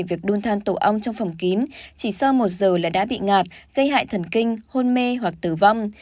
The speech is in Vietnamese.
việc đun than tổ ong trong phòng kín chỉ sau một giờ là đã bị ngạt gây hại thần kinh hôn mê hoặc tử vong